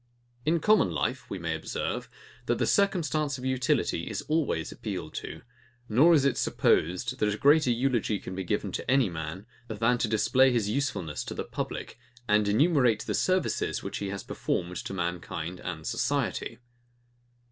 In common life, we may observe, that the circumstance of utility is always appealed to; nor is it supposed, that a greater eulogy can be given to any man, than to display his usefulness to the public, and enumerate the services, which he has performed to mankind and society.